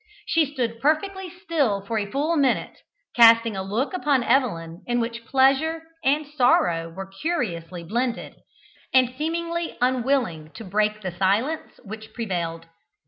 She stood perfectly still for a full minute, casting a look upon Evelyn in which pleasure and sorrow were curiously blended, and seemingly unwilling to break the silence which prevailed.